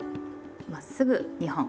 まっすぐ２本。